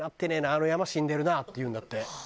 「あの山死んでるな」って言うんだって。